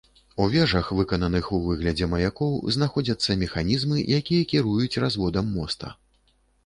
У вежах, выкананых у выглядзе маякоў, знаходзяцца механізмы, якія кіруюць разводам моста.